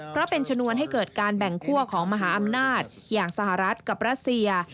เพราะเป็นชนวนให้เกิดการแบ่งคั่วของมหาอำนาจอย่างสหรัฐกับรัสเซีย